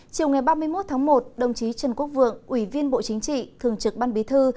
chiều ngày ba mươi một tháng một đồng chí trần quốc vượng ủy viên bộ chính trị thường trực ban bí thư